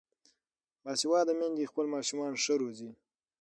باسواده میندې خپل ماشومان ښه روزي.